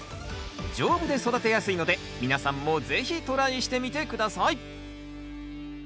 丈夫で育てやすいので皆さんも是非トライしてみて下さい。